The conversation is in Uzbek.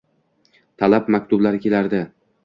talab maktublari kelardi.